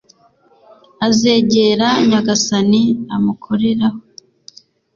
azegera nyagasani; amukoreho